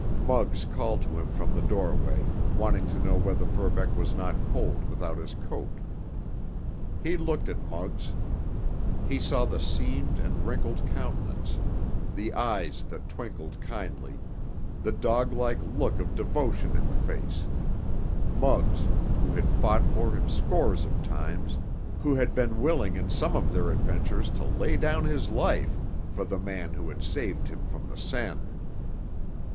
Muggs called to him from the doorway, wanting to know whether Verbeck was not cold without his coat. He looked at Muggs. He saw the seamed and wrinkled countenance, the eyes that twinkled kindly, the doglike look of devotion in the face—Muggs, who had fought for him scores of times, who had been willing in some of their adventures to lay down his life for the man who had saved him from the Seine.